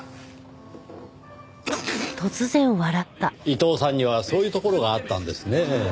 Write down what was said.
伊藤さんにはそういうところがあったんですねぇ。